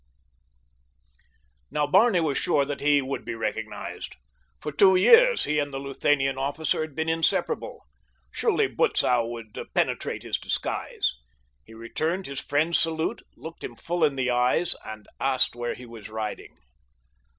Now Barney was sure that he would be recognized. For two years he and the Luthanian officer had been inseparable. Surely Butzow would penetrate his disguise. He returned his friend's salute, looked him full in the eyes, and asked where he was riding.